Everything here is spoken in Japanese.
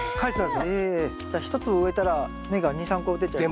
じゃあ１粒植えたら芽が２３個出ちゃう。